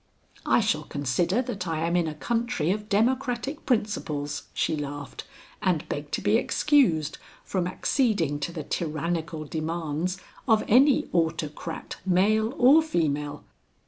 "I shall consider that I am in a country of democratic principles," she laughed, "and beg to be excused from acceding to the tyrannical demands of any autocrat male or female."